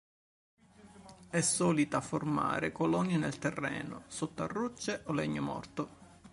È solita formare colonie nel terreno, sotto a rocce o legno morto.